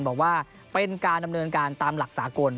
บอกว่าเป็นการดำเนินการตามหลักสากล